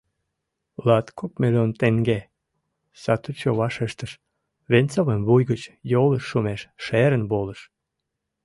— Латкок миллион теҥге, — сатучо вашештыш, Венцовым вуй гыч йолыш шумеш шерын волыш.